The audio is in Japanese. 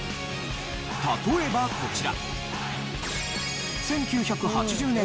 例えばこちら。